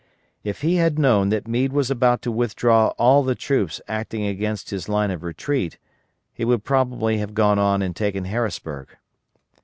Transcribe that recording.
If he had known that Meade was about to withdraw all the troops acting against his line of retreat he would probably have gone on and taken Harrisburg.